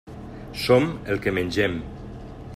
Som el que mengem.